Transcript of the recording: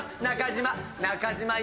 中島中島